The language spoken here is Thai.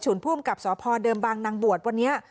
ส่วนผู้อำกับสพเดิมบางนางบวชวันนี้